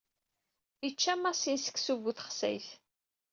Ičča Masin seksu bu teɣsayt.